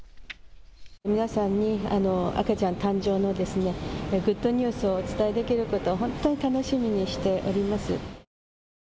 皆さんに赤ちゃん誕生のグッドニュースをお伝えできることを本当に楽しみにしております。